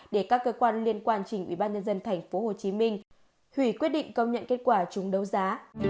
để các cơ quan liên quan trình ubnd tp hcm hủy quyết định công nhận kết quả chúng đấu giá